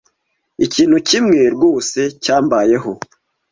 Ikintu kimwe rwose cyambayeho.